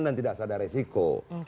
dan tidak sadar resiko